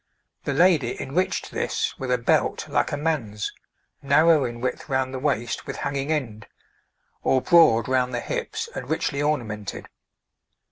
The lady enriched this with a belt like a man's, narrow in width round the waist with hanging end, or broad round the hips and richly ornamented.